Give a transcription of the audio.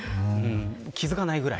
気づかないぐらい。